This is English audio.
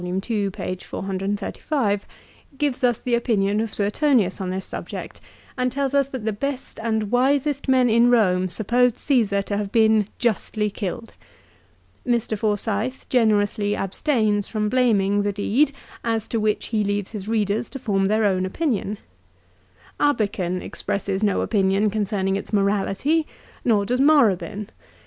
ii., p. 435) gives us the opinion of Suetonius on this subject and tells us that the best and wisest men in Rome supposed Caesar to have been justly killed. Mr. Forsyth generously abstains from blaming the deed as to which he leaves his readers to form their own opinion. Abeken expresses no opinion concerning its morality, nor does Morabin.